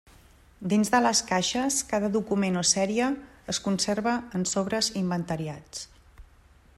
Dins de les caixes cada document o sèrie es conserva en sobres inventariats.